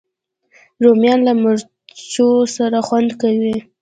رومیان له مرچو سره خوند کوي